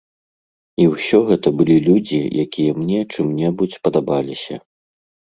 І ўсё гэта былі людзі, якія мне чым-небудзь падабаліся.